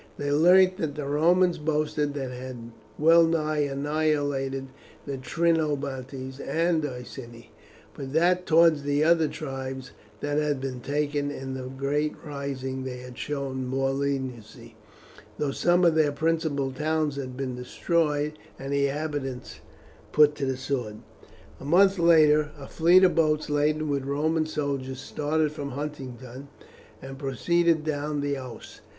They learnt that the Romans boasted they had well nigh annihilated the Trinobantes and Iceni; but that towards the other tribes that had taken part in the great rising they had shown more leniency, though some of their principal towns had been destroyed and the inhabitants put to the sword. A month later a fleet of boats laden with Roman soldiers started from Huntingdon and proceeded down the Ouse.